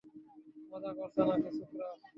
মজা করছো নাকি, ছোকরা?